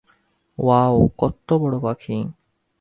Wow, কত্ত বড় পাখি!